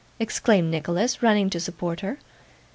exclaimed Nicholas, running to support her.